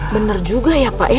benar juga ya pak ya